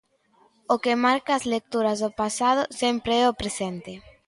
O que marca as lecturas do pasado sempre é o presente.